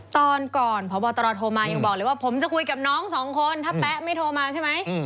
ตอนก่อนพบตรโทรมายังบอกเลยว่าผมจะคุยกับน้องสองคนถ้าแป๊ะไม่โทรมาใช่ไหม